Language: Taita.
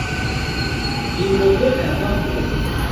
Vindo veka va modo.